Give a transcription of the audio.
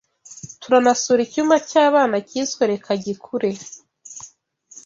Turanasura icyumba cy’abana kisweReka gikure”